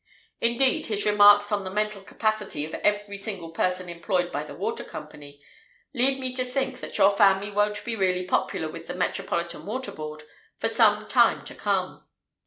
Indeed, his remarks on the mental capacity of every single person employed by the Water Company lead me to think that your family won't be really popular with the Metropolitan Water Board for some time to come!